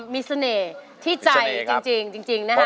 มีเสน่ห์ที่ใจจริงนะฮะ